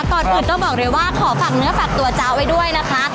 ก่อนอื่นต้องบอกเลยว่าขอฝากเนื้อฝากตัวจ๊ะไว้ด้วยนะคะ